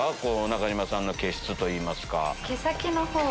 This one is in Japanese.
中島さんの毛質といいますか。